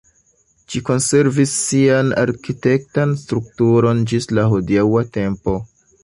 Ĝi konservis sian arkitektan strukturon ĝis la hodiaŭa tempo.